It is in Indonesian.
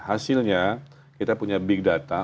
hasilnya kita punya big data